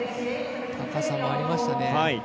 高さもありましたね。